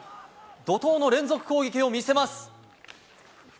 怒とうの連続攻撃を見せます。